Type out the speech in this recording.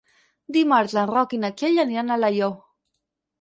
Dimarts en Roc i na Txell aniran a Alaior.